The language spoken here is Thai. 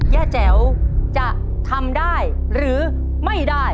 แจ๋วจะทำได้หรือไม่ได้